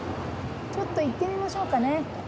ちょっと行ってみましょうかね。